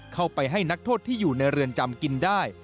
ให้นักโทษที่อยู่ในเรือนจำกินได้